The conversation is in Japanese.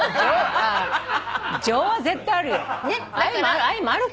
あ情は絶対あるよ。